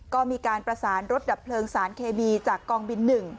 ก็มีการประสานรถดับเพลิงสารเคมีจากกองบิน๑